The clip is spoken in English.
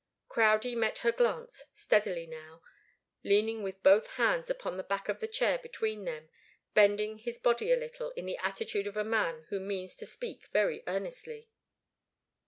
Crowdie met her glance steadily now, leaning with both hands upon the back of the chair between them and bending his body a little, in the attitude of a man who means to speak very earnestly.